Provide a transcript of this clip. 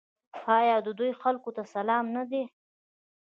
آیا او د دوی خلکو ته سلام نه دی؟